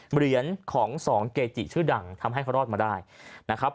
เหรียญของสองเกจิชื่อดังทำให้เขารอดมาได้นะครับ